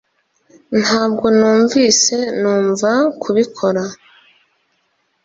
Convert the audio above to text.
Ntabwo numvise numva kubikora